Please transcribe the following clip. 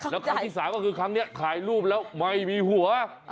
แล้วครั้งที่๓ก็คือครั้งนี้ถ่ายรูปแล้วไม่มีหัว